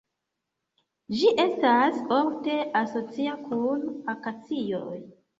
Ĝi estas ofte asocia kun akacioj.